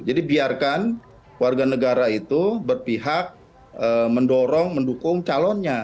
jadi biarkan warga negara itu berpihak mendorong mendukung calonnya